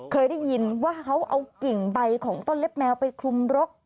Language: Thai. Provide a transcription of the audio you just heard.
เคยได้ยินว่าเขาเอากิ่งใบของต้นเล็บแมวไปคลุมรก